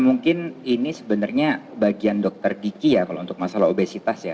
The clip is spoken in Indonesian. mungkin ini sebenarnya bagian dokter diki ya kalau untuk masalah obesitas ya